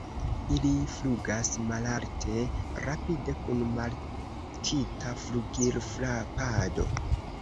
Ili flugas malalte, rapide, kun markita flugilfrapado.